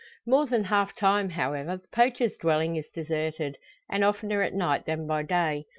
More than half time however, the poacher's dwelling is deserted, and oftener at night than by day.